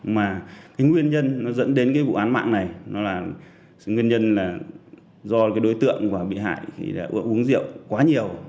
mà nguyên nhân dẫn đến vụ án mạng này là do đối tượng và bị hại uống rượu quá nhiều